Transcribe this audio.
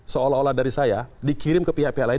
seolah olah dari saya dikirim ke pihak pihak lain